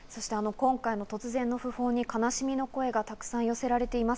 今回の突然の訃報に悲しみの声がたくさん寄せられています。